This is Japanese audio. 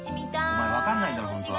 お前分かんないんだろ本当は。